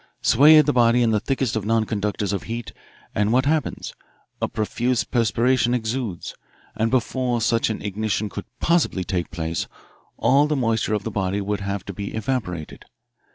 Swathe the body in the thickest of non conductors of heat, and what happens? A profuse perspiration exudes, and before such an ignition could possibly take place all the moisture of the body would have to be evaporated.